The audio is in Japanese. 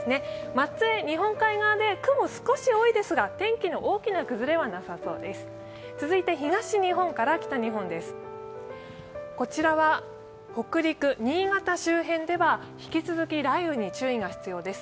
松江、日本海側で雲、少し多いですが天気の大きな崩れはなさそうです。